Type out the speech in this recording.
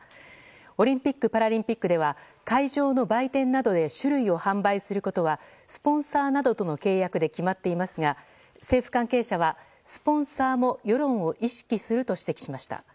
オリンピック・パラリンピックでは会場の売店などで酒類を販売することはスポンサーなどとの契約で決まっていますが、政府関係者はスポンサーも世論を意識すると指摘しました。